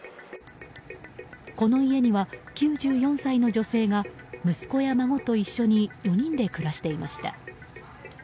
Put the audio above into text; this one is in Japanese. この家には９４歳の女性が息子や孫と一緒に４人で暮らしていました。